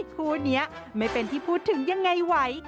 คู่นี้ไม่เป็นที่พูดถึงยังไงไหว